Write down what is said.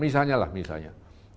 misalnya lah misalnya